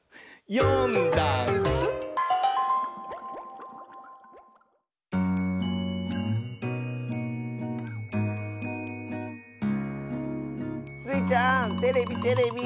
「よんだんす」スイちゃんテレビテレビ！